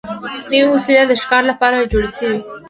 نوې وسلې د ښکار لپاره جوړې شوې.